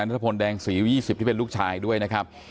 นัทพลแดงศรี๒๐ที่เป็นลูกชายด้วยนะครับ